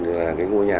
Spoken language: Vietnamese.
là cái ngôi nhà